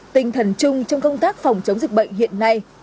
tinh thần chung trong công tác phòng chống dịch bệnh hiện nay